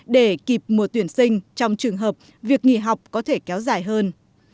để kịp mùa tuyển sinh trong trường hợp việc nghỉ học có thể kéo dài hơn